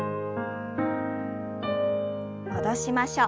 戻しましょう。